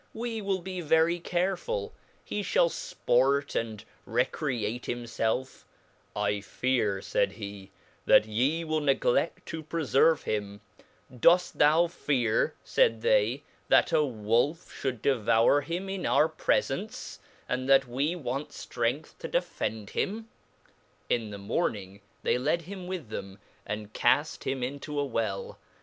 we will be very carefull, he fhall fpott and re create himfelf; I fear, faid he, that ye will negleA to preferve him ; dofl: thou fear ('faid they) that a wolfefhould devoure him in our prefence, and that we want ftrength to defend him/* In the morning they led him with them, andcafthim into a Well.